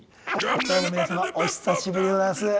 どうも皆様お久しぶりでございます。